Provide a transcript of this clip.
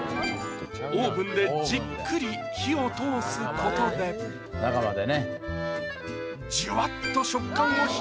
オーブンでじっくり火を通すことで中までね